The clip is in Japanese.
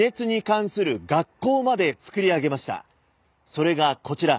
それがこちら。